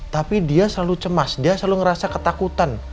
tapi dia selalu cemas dia selalu ngerasa ketakutan